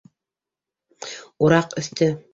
Ураҡ өҫтө